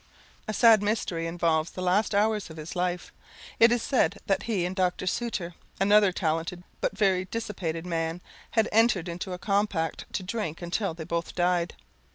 A sad mystery involves the last hours of his life: it is said that he and Dr. Sutor, another talented but very dissipated man, had entered into a compact to drink until they both died.